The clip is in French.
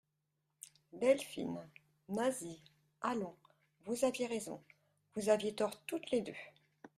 Delphine, Nasie, allons, vous aviez raison, vous aviez tort toutes les deux.